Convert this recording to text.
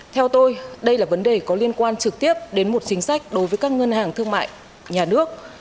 theo tôi đây là vấn đề có liên quan trực tiếp đến một chính sách đối với các ngân hàng thương mại nhà nước